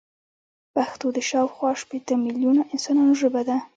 پښتو د شاوخوا شپيته ميليونه انسانانو ژبه ده.